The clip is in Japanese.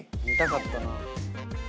見たかったなぁ。